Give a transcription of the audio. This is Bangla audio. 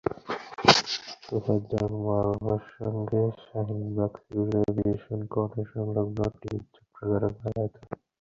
তোফাজ্জল মা-বাবার সঙ্গে শাহীনবাগ সিভিল অ্যাভিয়েশন কোয়ার্টারসংলগ্ন টিনের ছাপরা ঘরে ভাড়া থাকে।